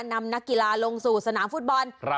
นำนักกีฬาลงสู่สนามฟุตบอล